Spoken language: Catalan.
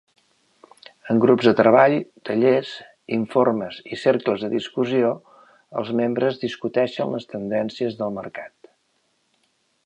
En grups de treball, tallers, informes i cercles de discussió, els membres discuteixen les tendències del mercat.